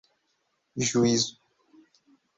juízo